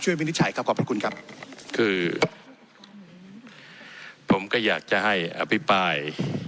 วินิจฉัยครับขอบพระคุณครับคือผมก็อยากจะให้อภิปราย